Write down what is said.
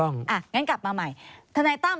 งั้นกลับมาใหม่ทนายตั้ม